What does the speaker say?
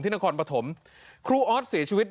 นครปฐมครูออสเสียชีวิต